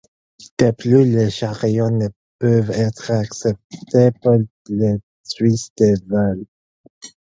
De plus, les chariots ne peuvent être acceptés pour des risques de vol.